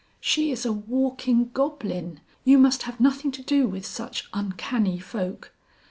"She is a walking goblin; you must have nothing to do with such uncanny folk."